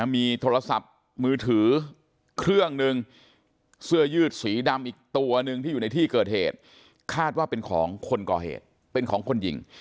มีโทรศัพท์มือถือเครื่องหนึ่งเสื้อยืดสีดำอีกตัวหนึ่งที่อยู่ในที่เกิดเหตุคาดว่าเป็นของคนก่อเหตุเป็นของคนยิง